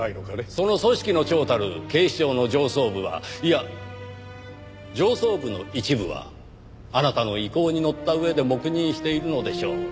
その組織の長たる警視庁の上層部はいや上層部の一部はあなたの意向にのった上で黙認しているのでしょう。